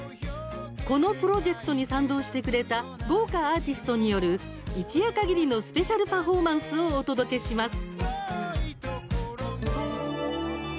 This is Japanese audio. このプロジェクトに賛同してくれた豪華アーティストによる一夜限りのスペシャルパフォーマンスをお届けします。